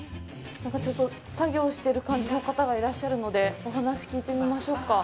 なんかちょっと作業している感じの方がいらっしゃるので、お話聞いてみましょうか。